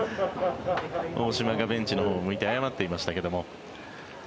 大島がベンチのほうを向いて謝っていましたけども。